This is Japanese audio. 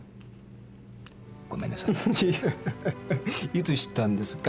いつ知ったんですか？